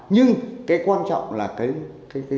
nhưng cái quan trọng là cái lợi nhuận rất lớn